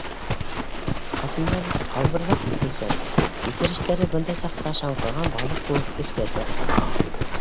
Ҡатындар бит ҡалбырҙап китеүсән, кисерештәре бындай саҡта шаңҡыған балыҡ кеүек өҫкә сыға...